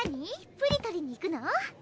プリ撮りにいくの？